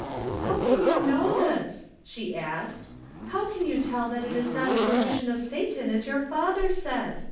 " How can you know this?" she asked. "]I„w can you tell that it is not a delusion of Satan as your father says